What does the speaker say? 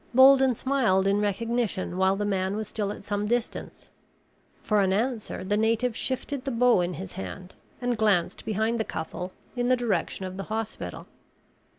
Bolden smiled in recognition while the man was still at some distance. For an answer the native shifted the bow in his hand and glanced behind the couple, in the direction of the hospital.